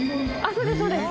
そうですそうです。